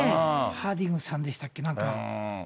ハーディングさんでしたっけ、なんか。